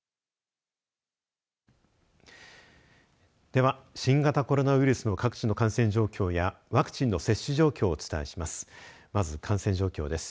では新型コロナウイルスの各地の感染状況やワクチンの接種状況をお伝えします。